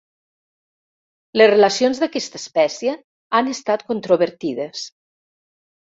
Les relacions d'aquesta espècie han estat controvertides.